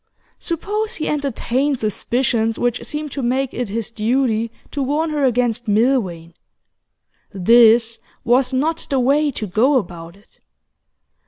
Suppose he entertained suspicions which seemed to make it his duty to warn her against Milvain, this was not the way to go about it.